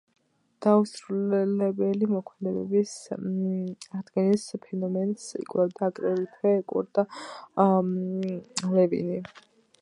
დაუსრულებელი მოქმედებების აღდგენის ფენომენს იკვლევდა აგრეთვე კურტ ლევინი.